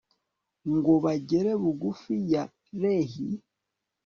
ngo bagere bugufi ya lehi